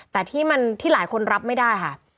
แต่ที่มันที่หลายคนรับไม่ได้ค่ะ